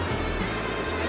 jangan makan aku